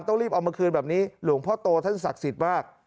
ต้องรีบเอามาคืนแบบนี้หลวงพ่อโตท่านศักดิ์สิทธิ์มาก